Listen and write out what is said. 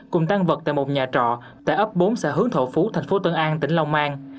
cùng tăng vật tại một nhà trọ tại ấp bốn xã hướng thọ phú thành phố tân an tỉnh long an